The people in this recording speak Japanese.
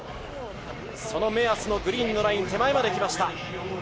その目安のグリーンのライン手前まで来ました。